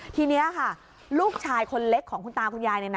ทีนี้ค่ะลูกชายคนเล็กของคุณตาคุณยาย